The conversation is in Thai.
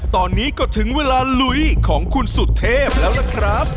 ตอนนี้ก็ถึงเวลาลุยของคุณสุเทพแล้วล่ะครับ